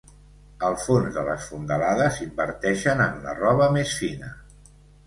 Al fons de les fondalades inverteixen en la roba més fina.